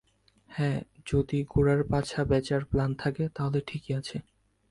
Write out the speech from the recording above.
হ্যাঁ, যদি ঘোড়ার পাছা বেচার প্ল্যান থাকে, তাহলে ঠিকই আছে।